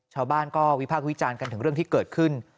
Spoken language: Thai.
ชาวบ้านก็วิพากษ์วิจารณ์กันถึงเรื่องที่เกิดขึ้น